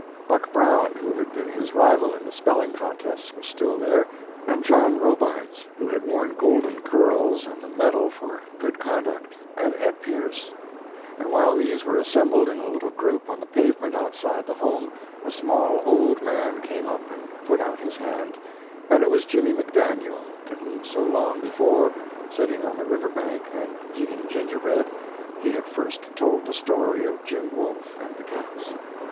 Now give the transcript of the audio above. Buck Brown, who had been his rival in the spelling contests, was still there, and John Robards, who had worn golden curls and the medal for good conduct, and Ed Pierce. And while these were assembled in a little group on the pavement outside the home a small old man came up and put out his hand, and it was Jimmy MacDaniel, to whom so long before, sitting on the river bank and eating gingerbread, he had first told the story of Jim Wolfe and the cats.